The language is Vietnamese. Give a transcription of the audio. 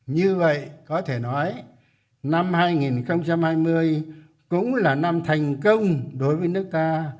như vậy có thể nói năm hai nghìn hai mươi cũng là năm thành công đối với nước ta